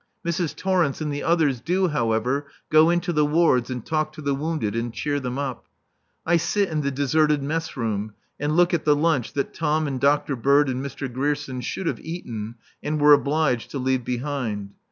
Mrs. Torrence and the others do, however, go into the wards and talk to the wounded and cheer them up. I sit in the deserted mess room, and look at the lunch that Tom and Dr. Bird and Mr. Grierson should have eaten and were obliged to leave behind.